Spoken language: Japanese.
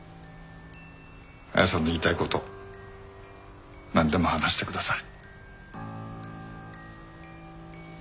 亜矢さんの言いたい事なんでも話してください。